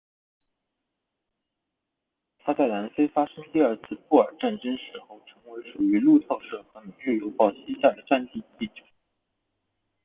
他在南非发生第二次布尔战争的时候成为属于路透社和每日邮报膝下的战地记者。